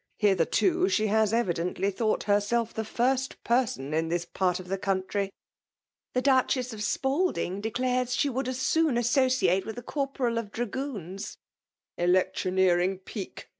"Hitherto she has cridcntly thought herself the first person in this pwrt of the country." '•The l>\ichess of Spaltog declares she would as soon associate with a corporal of dragoons 1 '"*' Electioneering pique